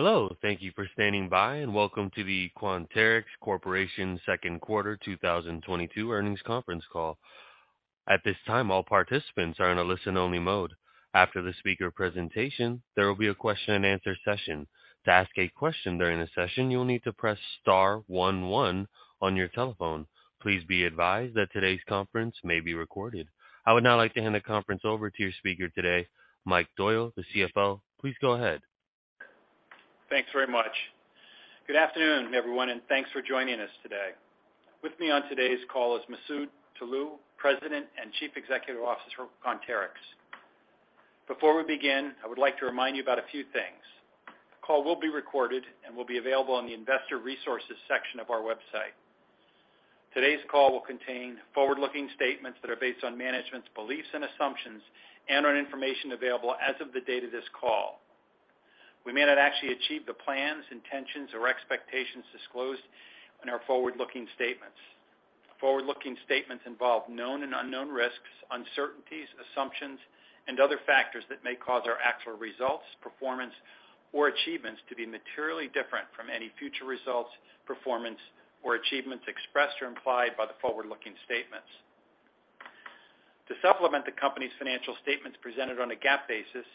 Hello, thank you for standing by, and welcome to the Quanterix Corporation second quarter 2022 earnings conference call. At this time, all participants are in a listen-only mode. After the speaker presentation, there will be a question-and-answer session. To ask a question during the session, you will need to press star one one on your telephone. Please be advised that today's conference may be recorded. I would now like to hand the conference over to your speaker today, Mike Doyle, the CFO. Please go ahead. Thanks very much. Good afternoon, everyone, and thanks for joining us today. With me on today's call is Masoud Toloue, President and Chief Executive Officer for Quanterix. Before we begin, I would like to remind you about a few things. The call will be recorded and will be available on the investor resources section of our website. Today's call will contain forward-looking statements that are based on management's beliefs and assumptions and on information available as of the date of this call. We may not actually achieve the plans, intentions, or expectations disclosed in our forward-looking statements. Forward-looking statements involve known and unknown risks, uncertainties, assumptions, and other factors that may cause our actual results, performance, or achievements to be materially different from any future results, performance, or achievements expressed or implied by the forward-looking statements. To supplement the company's financial statements presented on a GAAP basis,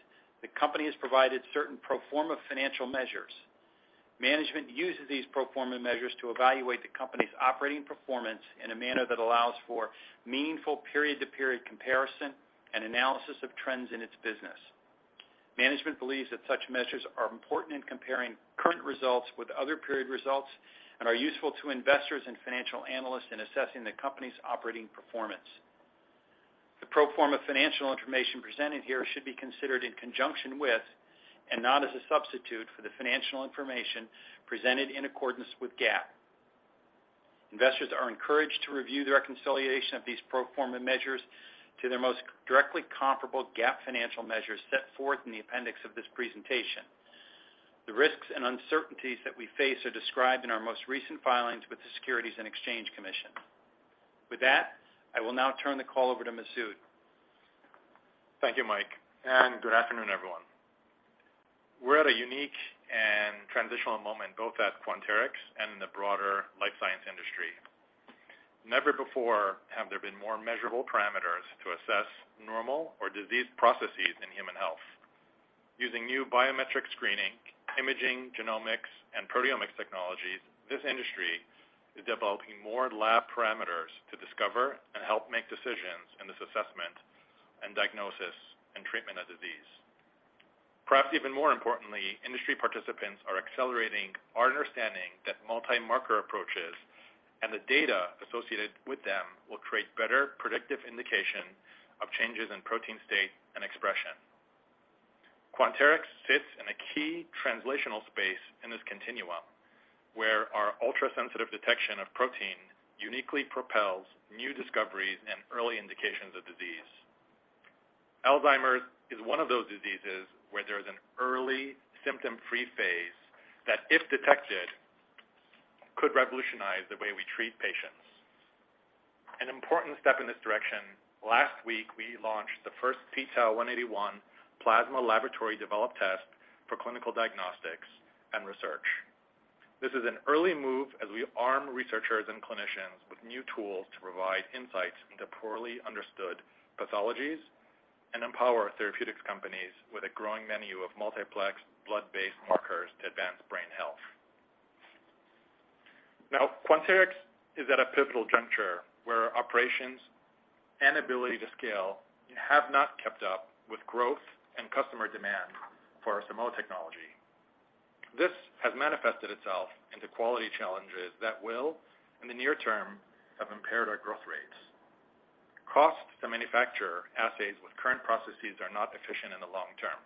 the company has provided certain pro forma financial measures. Management uses these pro forma measures to evaluate the company's operating performance in a manner that allows for meaningful period-to-period comparison and analysis of trends in its business. Management believes that such measures are important in comparing current results with other period results and are useful to investors and financial analysts in assessing the company's operating performance. The pro forma financial information presented here should be considered in conjunction with, and not as a substitute for, the financial information presented in accordance with GAAP. Investors are encouraged to review the reconciliation of these pro forma measures to their most directly comparable GAAP financial measures set forth in the appendix of this presentation. The risks and uncertainties that we face are described in our most recent filings with the Securities and Exchange Commission. With that, I will now turn the call over to Masoud. Thank you, Mike, and good afternoon, everyone. We're at a unique and transitional moment, both at Quanterix and in the broader life science industry. Never before have there been more measurable parameters to assess normal or disease processes in human health. Using new biometric screening, imaging, genomics, and proteomics technologies, this industry is developing more lab parameters to discover and help make decisions in this assessment in diagnosis and treatment of disease. Perhaps even more importantly, industry participants are accelerating our understanding that multi-marker approaches and the data associated with them will create better predictive indication of changes in protein state and expression. Quanterix sits in a key translational space in this continuum, where our ultrasensitive detection of protein uniquely propels new discoveries and early indications of disease. Alzheimer's is one of those diseases where there's an early symptom-free phase that, if detected, could revolutionize the way we treat patients. An important step in this direction, last week, we launched the first p-Tau 181 plasma laboratory developed test for clinical diagnostics and research. This is an early move as we arm researchers and clinicians with new tools to provide insights into poorly understood pathologies and empower therapeutics companies with a growing menu of multiplex blood-based markers to advance brain health. Now, Quanterix is at a pivotal juncture where operations and ability to scale have not kept up with growth and customer demand for our Simoa technology. This has manifested itself into quality challenges that will, in the near term, have impaired our growth rates. Costs to manufacture assays with current processes are not efficient in the long term.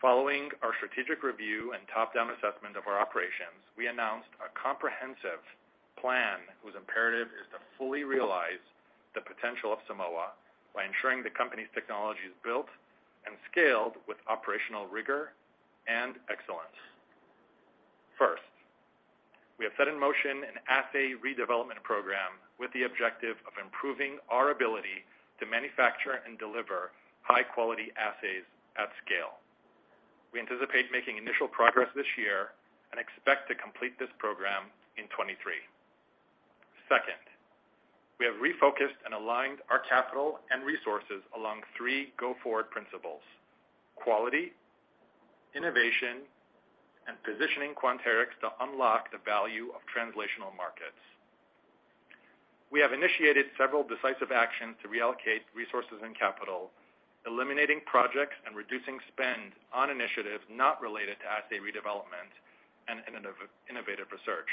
Following our strategic review and top-down assessment of our operations, we announced a comprehensive plan whose imperative is to fully realize the potential of Simoa by ensuring the company's technology is built and scaled with operational rigor and excellence. First, we have set in motion an assay redevelopment program with the objective of improving our ability to manufacture and deliver high-quality assays at scale. We anticipate making initial progress this year and expect to complete this program in 2023. Second, we have refocused and aligned our capital and resources along three go-forward principles, quality, innovation, and positioning Quanterix to unlock the value of translational markets. We have initiated several decisive actions to reallocate resources and capital, eliminating projects and reducing spend on initiatives not related to assay redevelopment and innovative research.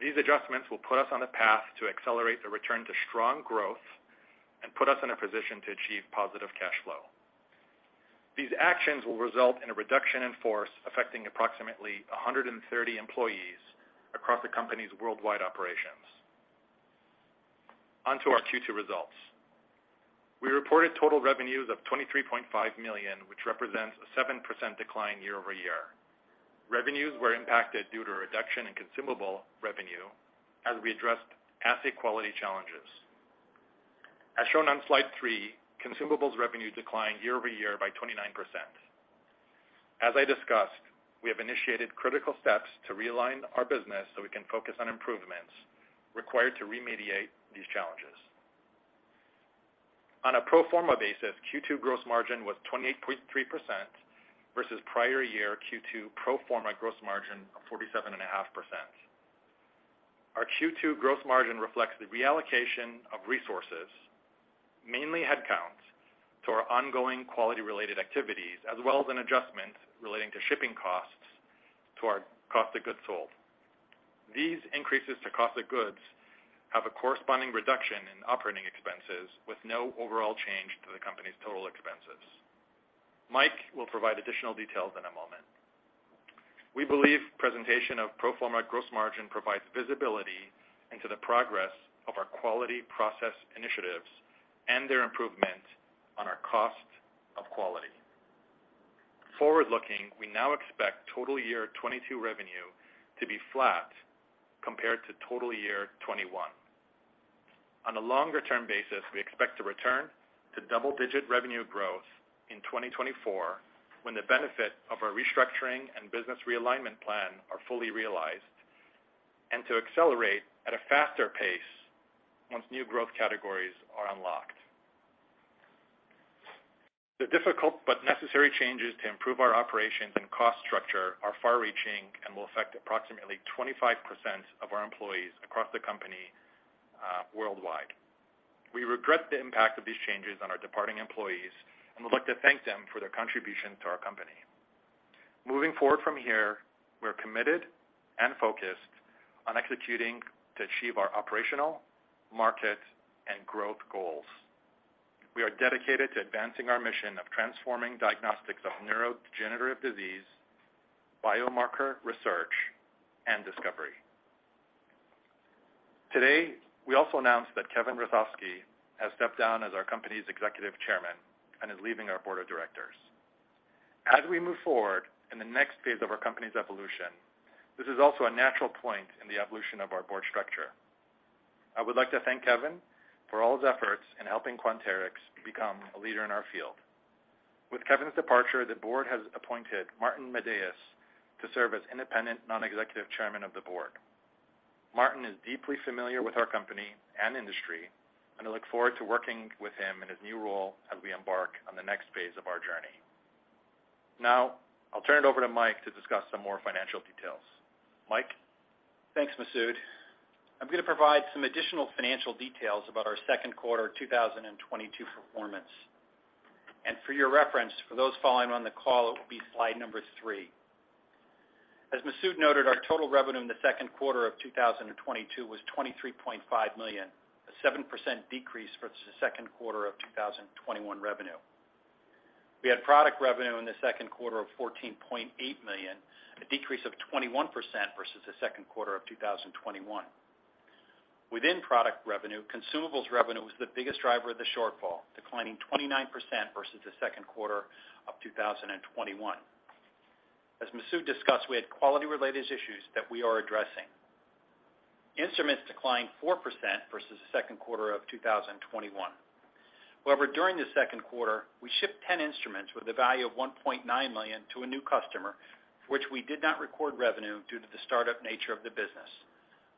These adjustments will put us on a path to accelerate the return to strong growth and put us in a position to achieve positive cash flow. These actions will result in a reduction in force affecting approximately 130 employees across the company's worldwide operations. On to our Q2 results. We reported total revenues of $23.5 million, which represents a 7% decline year-over-year. Revenues were impacted due to a reduction in consumable revenue as we addressed asset quality challenges. As shown on slide 3, consumables revenue declined year-over-year by 29%. As I discussed, we have initiated critical steps to realign our business so we can focus on improvements required to remediate these challenges. On a pro forma basis, Q2 gross margin was 28.3% versus prior year Q2 pro forma gross margin of 47.5%. Our Q2 gross margin reflects the reallocation of resources, mainly headcounts, to our ongoing quality-related activities, as well as an adjustment relating to shipping costs to our cost of goods sold. These increases to cost of goods have a corresponding reduction in operating expenses with no overall change to the company's total expenses. Mike will provide additional details in a moment. We believe presentation of pro forma gross margin provides visibility into the progress of our quality process initiatives and their improvement on our cost of quality. Forward-looking, we now expect total year 2022 revenue to be flat compared to total year 2021. On a longer-term basis, we expect to return to double-digit revenue growth in 2024, when the benefit of our restructuring and business realignment plan are fully realized, and to accelerate at a faster pace once new growth categories are unlocked. The difficult but necessary changes to improve our operations and cost structure are far-reaching and will affect approximately 25% of our employees across the company, worldwide. We regret the impact of these changes on our departing employees, and would like to thank them for their contribution to our company. Moving forward from here, we're committed and focused on executing to achieve our operational, market, and growth goals. We are dedicated to advancing our mission of transforming diagnostics of neurodegenerative disease, biomarker research, and discovery. Today, we also announced that Kevin Hrusovsky has stepped down as our company's Executive Chairman and is leaving our board of directors. As we move forward in the next phase of our company's evolution, this is also a natural point in the evolution of our board structure. I would like to thank Kevin for all his efforts in helping Quanterix become a leader in our field. With Kevin's departure, the board has appointed Martin Madaus to serve as independent non-executive chairman of the board. Martin is deeply familiar with our company and industry, and I look forward to working with him in his new role as we embark on the next phase of our journey. Now, I'll turn it over to Mike to discuss some more financial details. Mike? Thanks, Masoud. I'm gonna provide some additional financial details about our second quarter 2022 performance. For your reference, for those following on the call, it will be slide 3. As Masoud noted, our total revenue in the second quarter of 2022 was $23.5 million, a 7% decrease versus the second quarter of 2021 revenue. We had product revenue in the second quarter of $14.8 million, a decrease of 21% versus the second quarter of 2021. Within product revenue, consumables revenue was the biggest driver of the shortfall, declining 29% versus the second quarter of 2021. As Masoud discussed, we had quality-related issues that we are addressing. Instruments declined 4% versus the second quarter of 2021. However, during the second quarter, we shipped 10 instruments with a value of $1.9 million to a new customer, for which we did not record revenue due to the start-up nature of the business.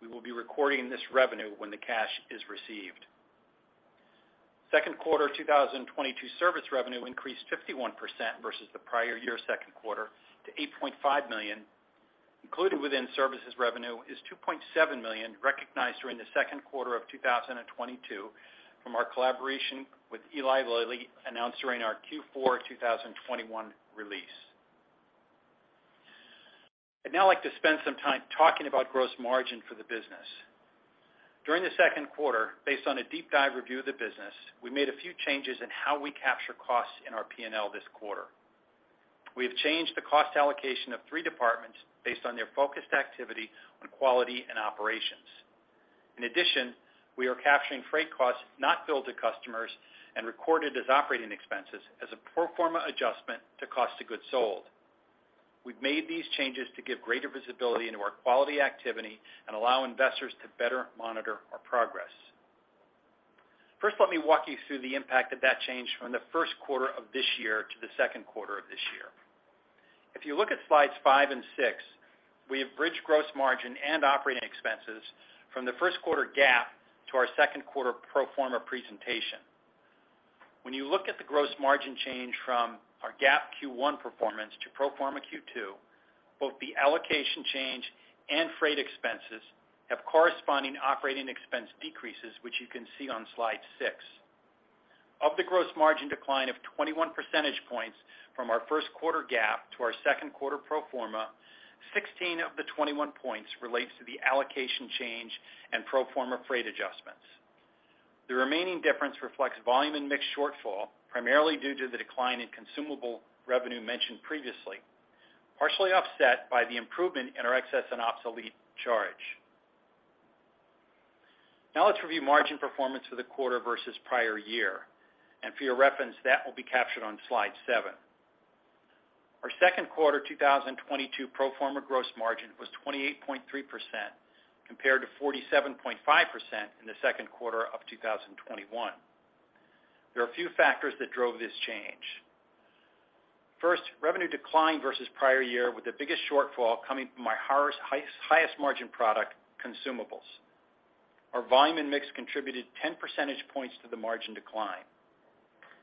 We will be recording this revenue when the cash is received. Second quarter 2022 service revenue increased 51% versus the prior year second quarter to $8.5 million. Included within services revenue is $2.7 million recognized during the second quarter of 2022 from our collaboration with Eli Lilly, announced during our Q4 2021 release. I'd now like to spend some time talking about gross margin for the business. During the second quarter, based on a deep dive review of the business, we made a few changes in how we capture costs in our P&L this quarter. We have changed the cost allocation of three departments based on their focused activity on quality and operations. In addition, we are capturing freight costs not billed to customers and recorded as operating expenses as a pro forma adjustment to cost of goods sold. We've made these changes to give greater visibility into our quality activity and allow investors to better monitor our progress. First, let me walk you through the impact of that change from the first quarter of this year to the second quarter of this year. If you look at slides 5 and 6, we have bridged gross margin and operating expenses from the first quarter GAAP to our second quarter pro forma presentation. When you look at the gross margin change from our GAAP Q1 performance to pro forma Q2, both the allocation change and freight expenses have corresponding operating expense decreases, which you can see on slide 6. Of the gross margin decline of 21 percentage points from our first quarter GAAP to our second quarter pro forma, 16 of the 21 points relates to the allocation change and pro forma freight adjustments. The remaining difference reflects volume and mix shortfall, primarily due to the decline in consumable revenue mentioned previously, partially offset by the improvement in our excess and obsolete charge. Now let's review margin performance for the quarter versus prior year. For your reference, that will be captured on slide 7. Our second quarter 2022 pro forma gross margin was 28.3% compared to 47.5% in the second quarter of 2021. There are a few factors that drove this change. First, revenue declined versus prior year, with the biggest shortfall coming from our highest margin product, consumables. Our volume and mix contributed 10 percentage points to the margin decline.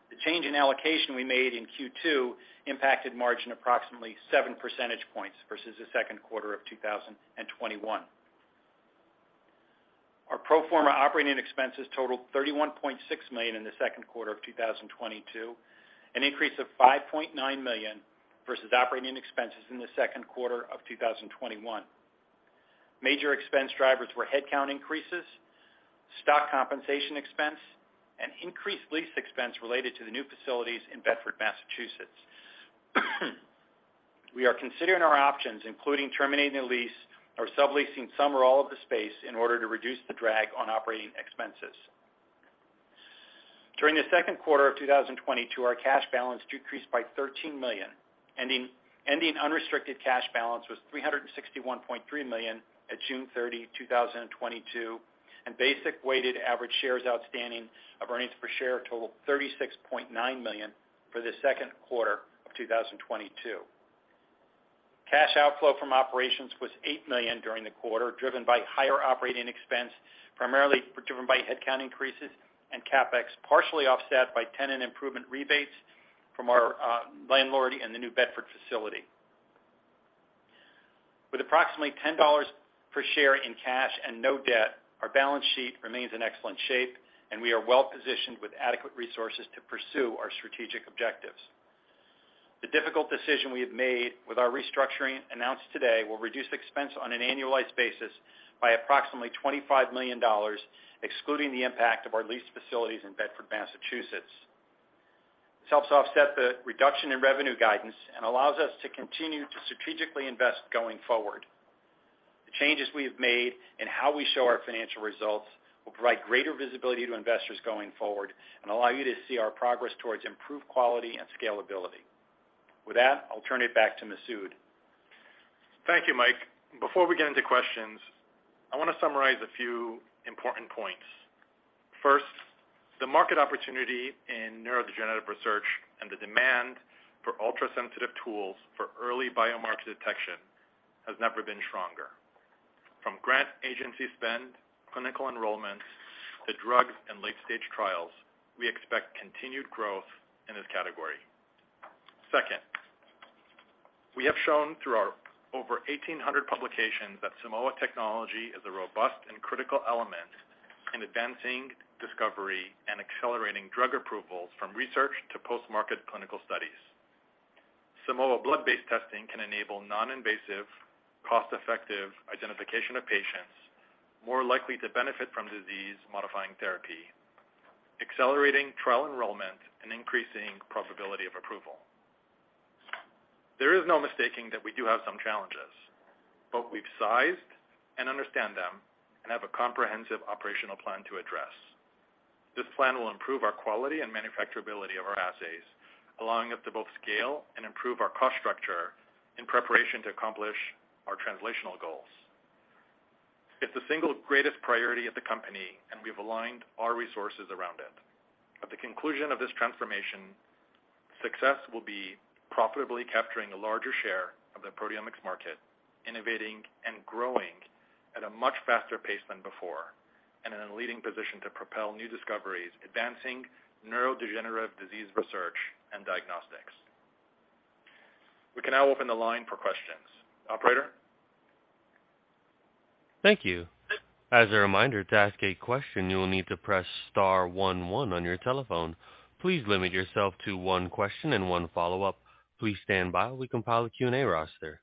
The change in allocation we made in Q2 impacted margin approximately 7 percentage points versus the second quarter of 2021. Our pro forma operating expenses totaled $31.6 million in the second quarter of 2022, an increase of $5.9 million versus operating expenses in the second quarter of 2021. Major expense drivers were headcount increases, stock compensation expense, and increased lease expense related to the new facilities in Bedford, Massachusetts. We are considering our options, including terminating the lease or subleasing some or all of the space in order to reduce the drag on operating expenses. During the second quarter of 2022, our cash balance decreased by $13 million, ending unrestricted cash balance was $361.3 million at June 30, 2022, and basic weighted average shares outstanding for earnings per share totaled 36.9 million for the second quarter of 2022. Cash outflow from operations was $8 million during the quarter, driven by higher operating expense, primarily driven by headcount increases and CapEx, partially offset by tenant improvement rebates from our landlord in the Bedford facility. With approximately $10 per share in cash and no debt, our balance sheet remains in excellent shape, and we are well positioned with adequate resources to pursue our strategic objectives. The difficult decision we have made with our restructuring announced today will reduce expense on an annualized basis by approximately $25 million, excluding the impact of our leased facilities in Bedford, Massachusetts. This helps offset the reduction in revenue guidance and allows us to continue to strategically invest going forward. The changes we have made in how we show our financial results will provide greater visibility to investors going forward and allow you to see our progress towards improved quality and scalability. With that, I'll turn it back to Masoud. Thank you, Mike. Before we get into questions, I want to summarize a few important points. First, the market opportunity in neurodegenerative research and the demand for ultrasensitive tools for early biomarker detection has never been stronger. From grant agency spend, clinical enrollments to drugs and late-stage trials, we expect continued growth in this category. Second, we have shown through our over 1,800 publications that Simoa technology is a robust and critical element in advancing discovery and accelerating drug approvals from research to post-market clinical studies. Simoa blood-based testing can enable non-invasive, cost-effective identification of patients more likely to benefit from disease-modifying therapy, accelerating trial enrollment and increasing probability of approval. There is no mistaking that we do have some challenges, but we've sized and understand them and have a comprehensive operational plan to address. This plan will improve our quality and manufacturability of our assays, allowing us to both scale and improve our cost structure in preparation to accomplish our translational goals. It's the single greatest priority of the company, and we've aligned our resources around it. At the conclusion of this transformation, success will be profitably capturing a larger share of the proteomics market, innovating and growing at a much faster pace than before, and in a leading position to propel new discoveries, advancing neurodegenerative disease research and diagnostics. We can now open the line for questions. Operator? Thank you. As a reminder, to ask a question, you will need to press star one one on your telephone. Please limit yourself to one question and one follow-up. Please stand by while we compile a Q&A roster.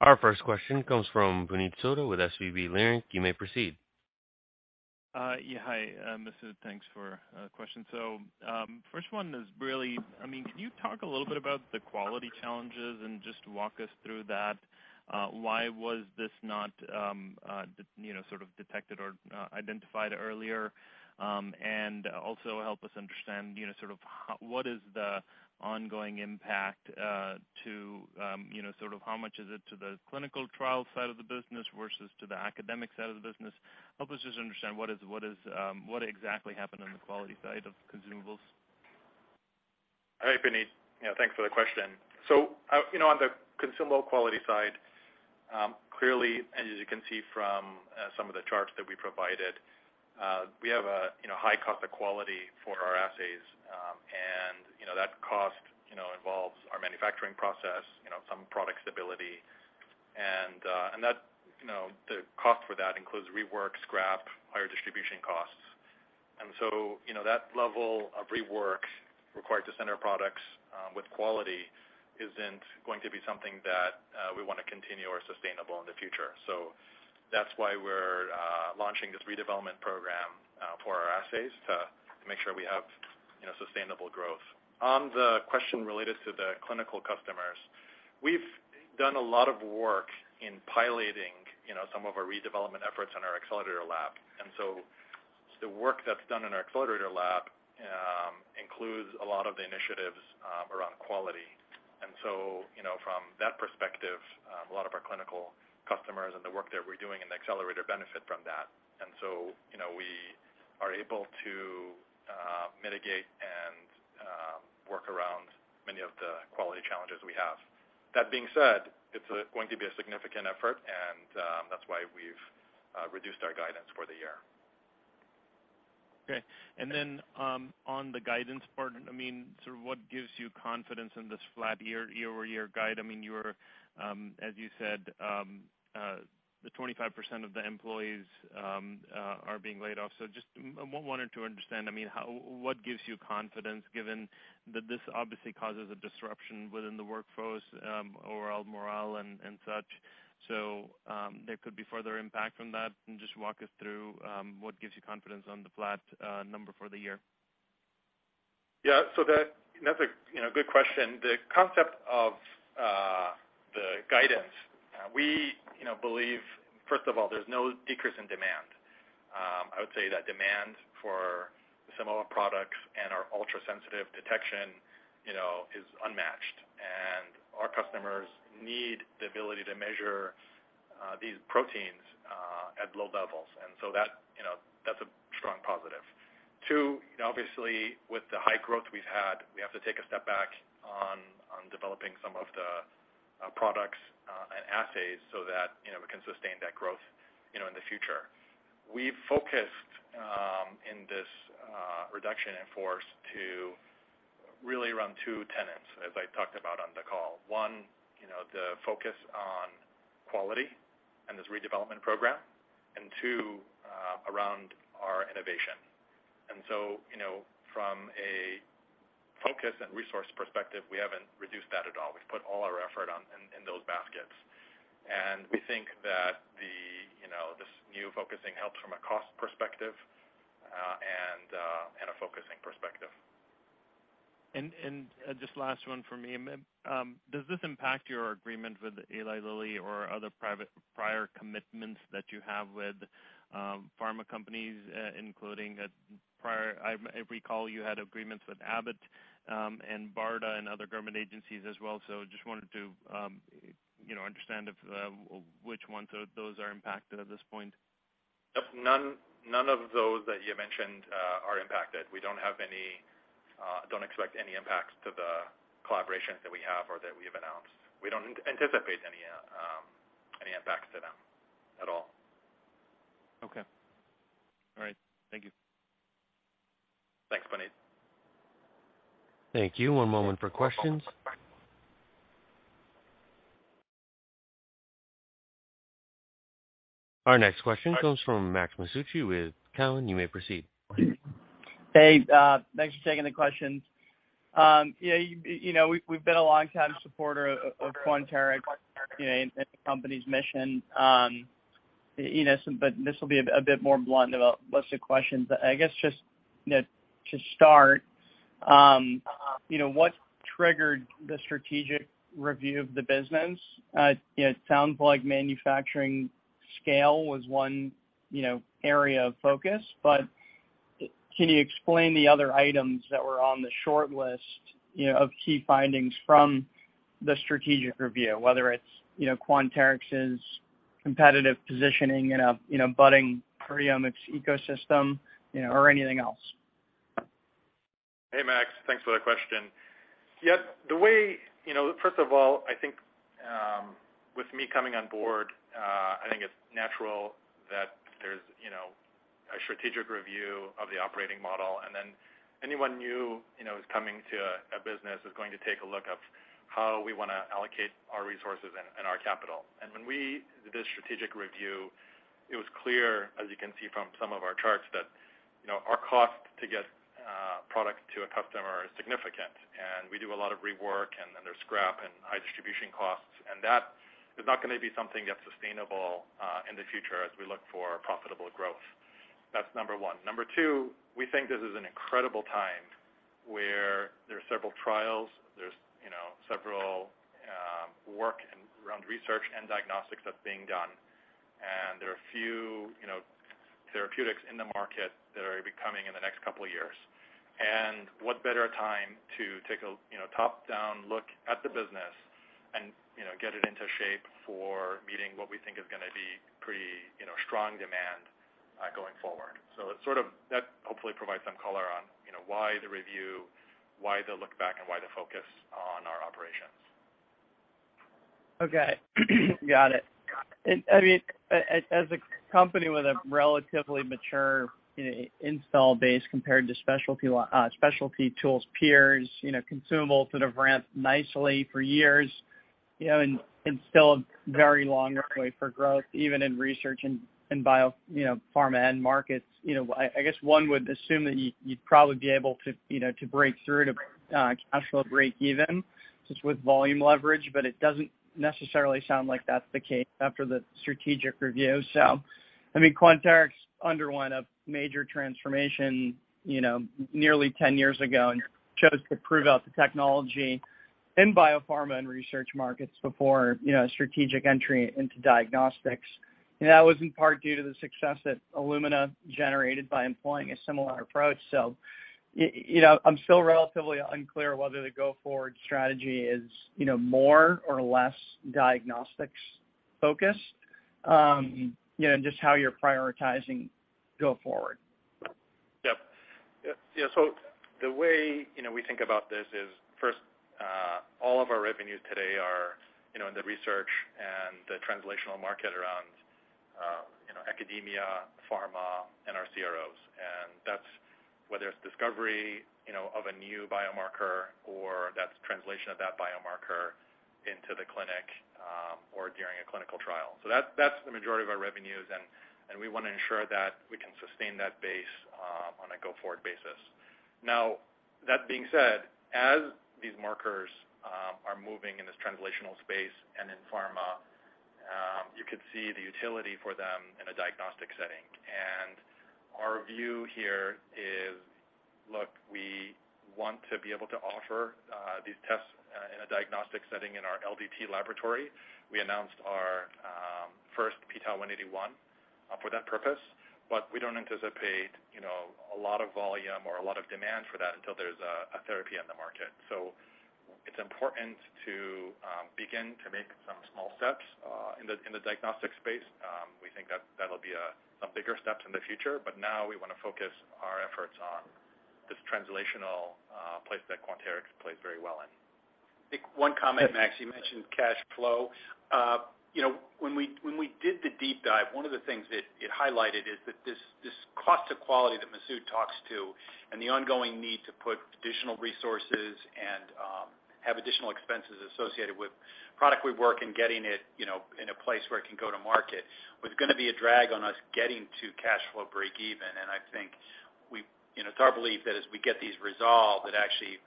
Our first question comes from Puneet Souda with SVB Leerink. You may proceed. Yeah. Hi, Masoud, thanks for question. First one is really, I mean, can you talk a little bit about the quality challenges and just walk us through that? Why was this not you know sort of detected or identified earlier? And also help us understand, you know, sort of how what is the ongoing impact to you know sort of how much is it to the clinical trial side of the business versus to the academic side of the business? Help us just understand what exactly happened on the quality side of consumables. All right, Puneet. Yeah, thanks for the question. You know, on the consumable quality side, clearly, and as you can see from some of the charts that we provided, we have a, you know, high cost of quality for our assays. You know, that cost, you know, involves our manufacturing process, you know, some product stability. And that, you know, the cost for that includes rework, scrap, higher distribution costs. You know, that level of rework required to send our products with quality isn't going to be something that we wanna continue or sustainable in the future. That's why we're launching this redevelopment program for our assays to make sure we have sustainable growth. On the question related to the clinical customers, we've done a lot of work in piloting, you know, some of our redevelopment efforts on our Accelerator Laboratory. The work that's done in our Accelerator Laboratory includes a lot of the initiatives around quality. From that perspective, you know, a lot of our clinical customers and the work that we're doing in the accelerator benefit from that. We are able to mitigate and work around many of the quality challenges we have. That being said, it's going to be a significant effort and that's why we've reduced our guidance for the year. Okay. On the guidance part, I mean, sort of what gives you confidence in this flat year-over-year guide? I mean, you were, as you said, the 25% of the employees are being laid off. I wanted to understand, I mean, how what gives you confidence given that this obviously causes a disruption within the workforce, overall morale and such. There could be further impact from that. Can you just walk us through, what gives you confidence on the flat number for the year? Yeah. That's a, you know, good question. The concept of the guidance, we you know believe, first of all, there's no decrease in demand. I would say that demand for similar products and our ultrasensitive detection, you know, is unmatched. Our customers need the ability to measure these proteins at low levels. That, you know, that's a strong positive. Two, you know, obviously, with the high growth we've had, we have to take a step back on developing some of the products and assays so that, you know, we can sustain that growth, you know, in the future. We've focused in this reduction in force to really around two tenets, as I talked about on the call. One, you know, the focus on quality and this redevelopment program, and two, around our innovation. You know, from a focus and resource perspective, we haven't reduced that at all. We've put all our effort on in those baskets. We think that the you know this new focusing helps from a cost perspective and a focusing perspective. Just last one for me. Does this impact your agreement with Eli Lilly or other private prior commitments that you have with pharma companies? If I recall, you had agreements with Abbott and BARDA and other government agencies as well. Just wanted to, you know, understand if which ones of those are impacted at this point. Yep. None of those that you mentioned are impacted. We don't have any, don't expect any impacts to the collaborations that we have or that we have announced. We don't anticipate any impacts to them at all. Okay. All right. Thank you. Thanks, Puneet. Thank you. One moment for questions. Our next question comes from Max Masucci with Cowen. You may proceed. Hey, thanks for taking the questions. Yeah, you know, we've been a longtime supporter of Quanterix, you know, and the company's mission, you know. This will be a bit more blunt about list of questions. I guess just, you know, to start, you know, what triggered the strategic review of the business? You know, it sounds like manufacturing scale was one, you know, area of focus, but can you explain the other items that were on the short list, you know, of key findings from the strategic review, whether it's, you know, Quanterix's competitive positioning in a budding proteomics ecosystem, you know, or anything else? Hey, Max. Thanks for that question. Yeah, you know, first of all, I think, with me coming on board, I think it's natural that there's, you know, a strategic review of the operating model, and then anyone new, you know, who's coming to a business is going to take a look of how we wanna allocate our resources and our capital. When we did this strategic review, it was clear, as you can see from some of our charts, that, you know, our cost to get product to a customer is significant. We do a lot of rework, and then there's scrap and high distribution costs. That is not gonna be something that's sustainable in the future as we look for profitable growth. That's number one. Number two, we think this is an incredible time where there are several trials. There's you know several workarounds around research and diagnostics that's being done. There are a few you know therapeutics in the market that are gonna be coming in the next couple of years. What better time to take a you know top-down look at the business and you know get it into shape for meeting what we think is gonna be pretty you know strong demand going forward. It hopefully provides some color on you know why the review, why the look back, and why the focus on our operations. Okay. Got it. I mean, as a company with a relatively mature, you know, installed base compared to specialty tools peers, you know, consumables that have ramped nicely for years, you know, and still very long runway for growth, even in research and biopharma end markets. You know, I guess one would assume that you'd probably be able to, you know, to breakeven even just with volume leverage, but it doesn't necessarily sound like that's the case after the strategic review. I mean, Quanterix underwent a major transformation, you know, nearly 10 years ago, and you chose to prove out the technology in biopharma and research markets before, you know, strategic entry into diagnostics. That was in part due to the success that Illumina generated by employing a similar approach. You know, I'm still relatively unclear whether the go-forward strategy is, you know, more or less diagnostics-focused, you know, just how you're prioritizing go forward. Yep. Yeah, the way, you know, we think about this is, first, all of our revenues today are, you know, in the research and the translational market around, you know, academia, pharma, and our CROs. That's whether it's discovery, you know, of a new biomarker or that's translation of that biomarker into the clinic, or during a clinical trial. That's the majority of our revenues, and we wanna ensure that we can sustain that base, on a go-forward basis. Now, that being said, as these markers are moving in this translational space and in pharma, you could see the utility for them in a diagnostic setting. Our view here is, look, we want to be able to offer these tests in a diagnostic setting in our LDT laboratory. We announced our first p-Tau 181 for that purpose, but we don't anticipate, you know, a lot of volume or a lot of demand for that until there's a therapy on the market. It's important to begin to make some small steps in the diagnostic space. We think that that'll be some bigger steps in the future, but now we wanna focus our efforts on this translational place that Quanterix plays very well in. I think one comment, Max, you mentioned cash flow. You know, when we did the deep dive, one of the things that it highlighted is that this cost of quality that Masoud talks about and the ongoing need to put additional resources and have additional expenses associated with product we're working on getting it, you know, in a place where it can go to market, was gonna be a drag on us getting to cash flow breakeven. I think you know, it's our belief that as we get these resolved, it actually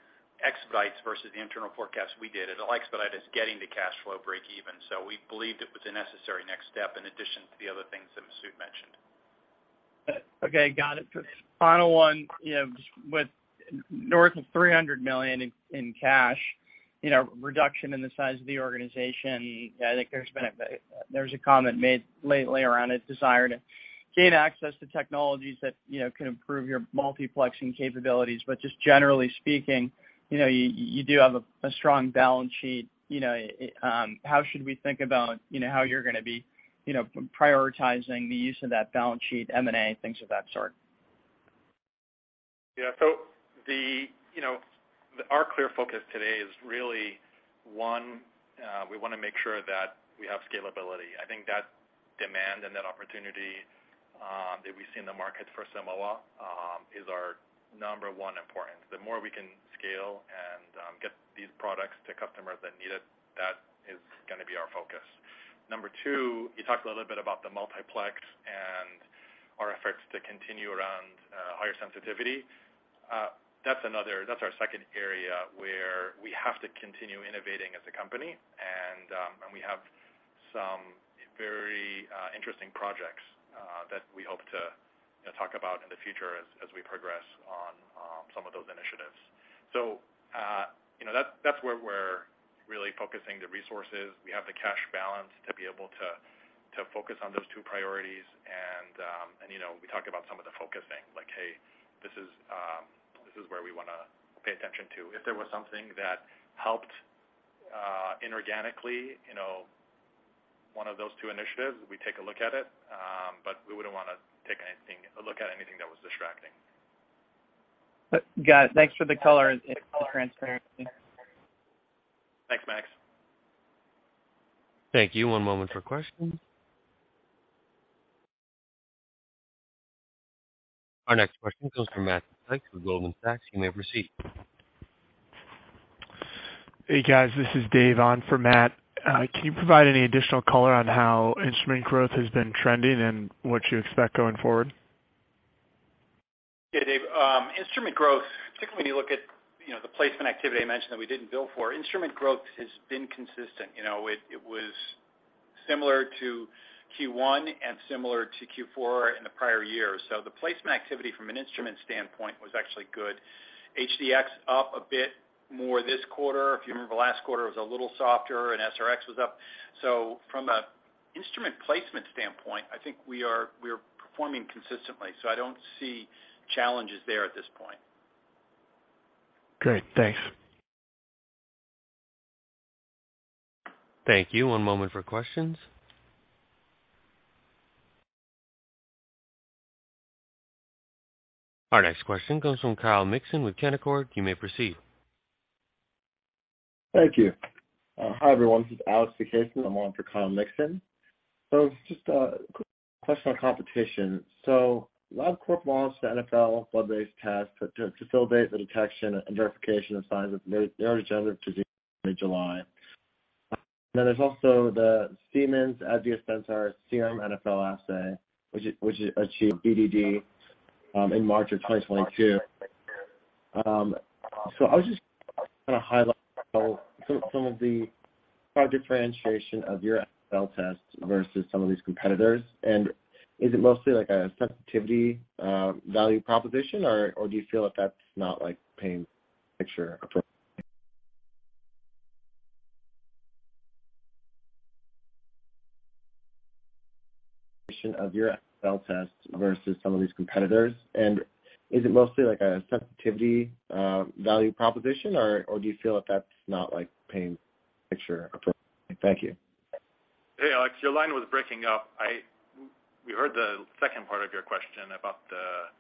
expedites versus the internal forecast we did, and it expedites getting to cash flow breakeven. We believed it was a necessary next step in addition to the other things that Masoud mentioned. Okay, got it. Final one. You know, just with north of $300 million in cash, you know, reduction in the size of the organization, I think there's been a comment made lately around a desire to gain access to technologies that, you know, can improve your multiplexing capabilities. But just generally speaking, you know, you do have a strong balance sheet. You know, how should we think about, you know, how you're gonna be, you know, prioritizing the use of that balance sheet, M&A, things of that sort? Yeah. You know, our clear focus today is really, one, we wanna make sure that we have scalability. I think that demand and that opportunity, that we see in the market for Simoa, is our number one importance. The more we can scale and, get these products to customers that need it, that is gonna be our focus. Number two, you talked a little bit about the multiplex and our efforts to continue around higher sensitivity. That's another. That's our second area where we have to continue innovating as a company. We have some very interesting projects that we hope to, you know, talk about in the future as we progress on some of those initiatives. You know, that's where we're really focusing the resources. We have the cash balance to be able to focus on those two priorities. You know, we talk about some of the focus thing, like, hey, this is where we wanna pay attention to. If there was something that helped inorganically, you know, one of those two initiatives, we take a look at it, but we wouldn't wanna take a look at anything that was distracting. Got it. Thanks for the color and transparency. Thanks, Max. Thank you. One moment for questions. Our next question comes from Matt Sykes with Goldman Sachs. You may proceed. Hey, guys, this is Dave on for Matt. Can you provide any additional color on how instrument growth has been trending and what you expect going forward? Yeah, Dave. Instrument growth, particularly when you look at, you know, the placement activity I mentioned that we didn't bill for, instrument growth has been consistent. You know, it was similar to Q1 and similar to Q4 in the prior year. The placement activity from an instrument standpoint was actually good. HD-X up a bit more this quarter. If you remember, last quarter was a little softer, and SR-X was up. From an instrument placement standpoint, I think we are performing consistently, so I don't see challenges there at this point. Great. Thanks. Thank you. One moment for questions. Our next question comes from Kyle Mikson with Canaccord. You may proceed. Thank you. Hi, everyone. This is Alex Vukasin. I'm on for Kyle Mikson. Just a question on competition. Labcorp launched the NfL blood-based test to facilitate the detection and verification of signs of neurodegenerative disease in July. Then there's also the Siemens ADVIA Centaur Serum NfL assay, which achieved BDD in March of 2022. At a high level, some of the product differentiation of your NfL test versus some of these competitors. And is it mostly like a sensitivity value proposition or do you feel that that's not like big picture approach? Thank you. Hey, Alex, your line was breaking up. We heard the second part of your question about the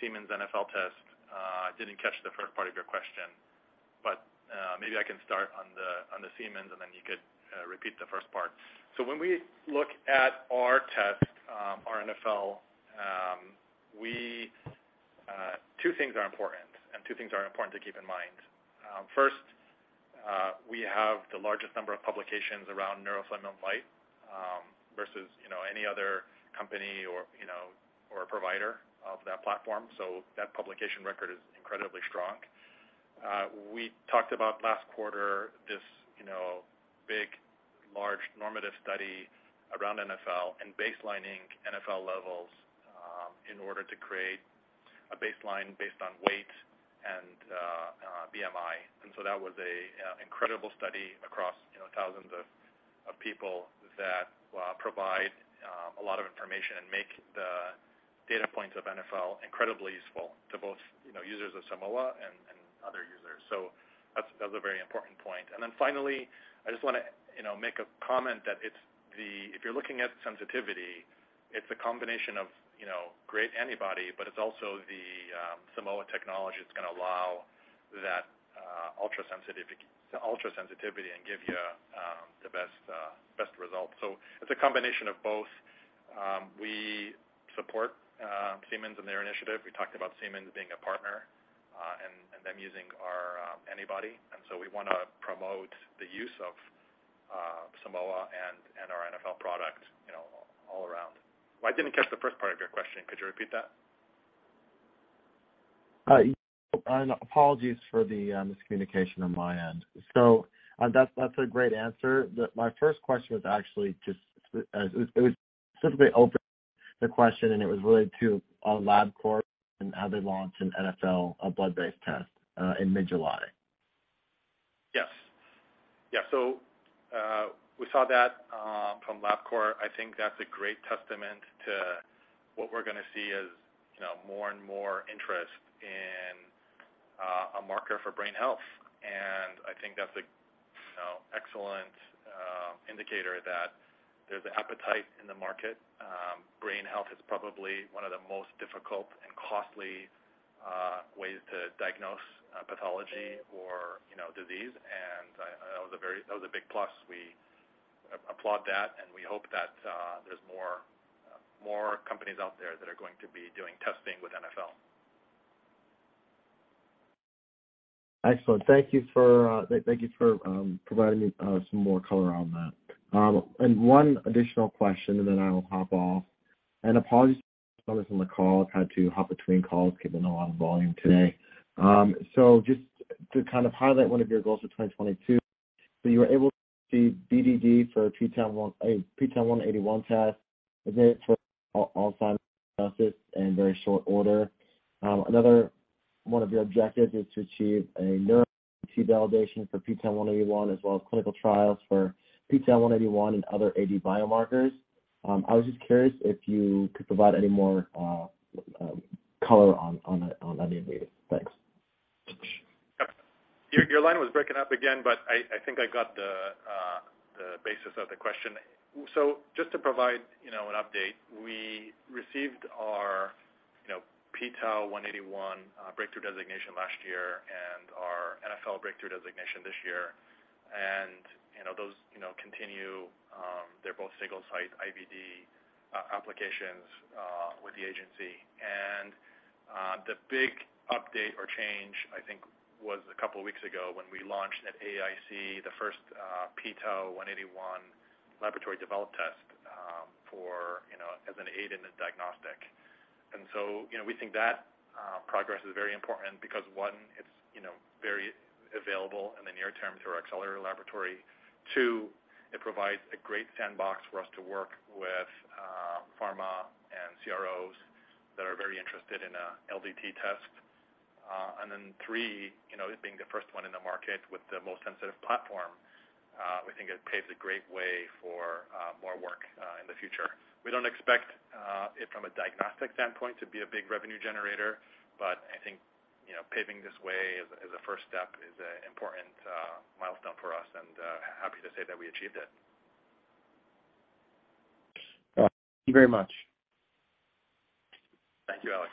Siemens NfL test. I didn't catch the first part of your question, but maybe I can start on the Siemens, and then you could repeat the first part. When we look at our test, our NfL. Two things are important to keep in mind. First, we have the largest number of publications around neurofilament light versus, you know, any other company or, you know, or provider of that platform. That publication record is incredibly strong. We talked about last quarter, this, you know, big, large normative study around NfL and baselining NfL levels in order to create a baseline based on weight and BMI. That was an incredible study across, you know, thousands of people that provide a lot of information and make the data points of NFL incredibly useful to both you know, users of Simoa and other users. That's a very important point. Finally, I just wanna, you know, make a comment. If you're looking at sensitivity, it's a combination of, you know, great antibody, but it's also the Simoa technology that's gonna allow that ultra-sensitivity and give you the best results. It's a combination of both. We support Siemens and their initiative. We talked about Siemens being a partner and them using our antibody. We wanna promote the use of Simoa and our NFL product, you know, all around. I didn't catch the first part of your question. Could you repeat that? Yeah. Apologies for the miscommunication on my end. That's a great answer. My first question was actually just, it was specifically open-ended question, and it was related to Labcorp and how they launched an NFL, a blood-based test, in mid-July. Yes. Yeah, we saw that from Labcorp. I think that's a great testament to what we're gonna see as, you know, more and more interest in a marker for brain health. I think that's a, you know, excellent indicator that there's an appetite in the market. Brain health is probably one of the most difficult and costly ways to diagnose a pathology or, you know, disease. That was a big plus. We applaud that, and we hope that there's more companies out there that are going to be doing testing with NfL. Excellent. Thank you for providing me some more color on that. One additional question, then I will hop off. Apologies for this on the call. I've had to hop between calls given a lot of volume today. Just to kind of highlight one of your goals for 2022, you were able to secure Breakthrough Device designation for p-Tau 181 test designated for Alzheimer's disease in very short order. Another one of your objectives is to achieve a neurofilament validation for p-Tau 181 as well as clinical trials for p-Tau 181 and other AD biomarkers. I was just curious if you could provide any more color on any of these. Thanks. Your line was breaking up again, but I think I got the basis of the question. Just to provide, you know, an update, we received our, you know, p-Tau 181 breakthrough designation last year and our NfL breakthrough designation this year. Those continue, they're both single site IVD applications with the agency. The big update or change, I think, was a couple weeks ago when we launched at AAIC the first p-Tau 181 laboratory developed test for, you know, as an aid in the diagnosis. We think that progress is very important because, one, it's, you know, very available in the near term through our Accelerator Laboratory. Two, it provides a great sandbox for us to work with pharma and CROs that are very interested in a LDT test. Three, you know, it being the first one in the market with the most sensitive platform, we think it paves a great way for more work in the future. We don't expect it from a diagnostic standpoint to be a big revenue generator, but I think, you know, paving this way as a first step is an important milestone for us, and happy to say that we achieved it. Thank you very much. Thank you, Alex.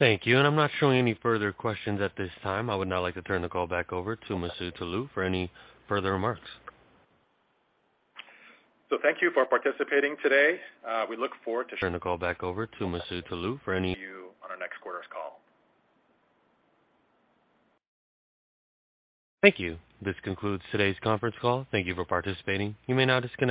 Thank you. I'm not showing any further questions at this time. I would now like to turn the call back over to Masoud Toloue for any further remarks. Thank you for participating today. We look forward to seeing you on our next quarter's call. Thank you. This concludes today's conference call. Thank you for participating. You may now disconnect.